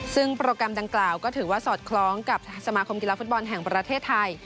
ซึ่งโปรแกรมดังกล่าวก็ถือว่าสอดคล้องกับสมาคมกีฬาฟุตบอลแห่งประเทศไทย